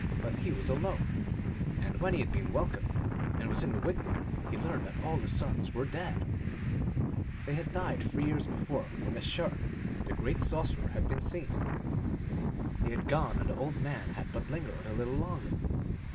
But he was alone. And when he had been welcomed, and was in the wigwam, he learned that all the sons were dead. TALES OF MAGIC. 375 They had died three years before, when the shark, the great sorcerer, had been seen. They had gone, and the old man had but lingered a little longer.